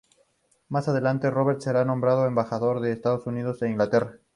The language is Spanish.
Más adelante Robert será nombrado embajador de Estados Unidos en Inglaterra.